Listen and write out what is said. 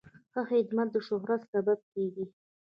ښه خدمت د شهرت سبب کېږي.